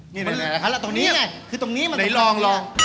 เวลาเท่านี้หน่อยลอง